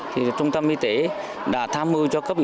vì vậy trung tâm y tế đã tham mưu cho các bệnh nhân